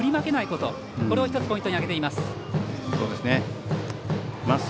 これを１つポイントに挙げています。